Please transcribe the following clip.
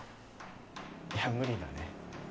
いや無理だね